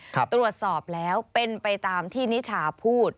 ตรวจสอบแล้วเป็นไปตามที่นิชาพูด